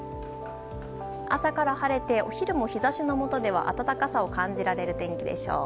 朝から晴れてお昼も日差しのもとでは暖かさを感じられる天気でしょう。